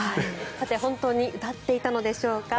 本当に歌っていたのでしょうか。